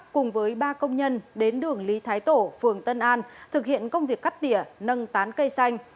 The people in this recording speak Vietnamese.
cùng với ba công nhân đến đường lý thái tổ phường tân an thực hiện công việc cắt tỉa nâng tán cây xanh